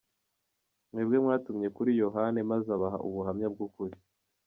Mwebwe mwatumye kuri Yohani, maze abaha ubuhamya bw’ukuri.